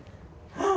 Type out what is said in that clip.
ああ！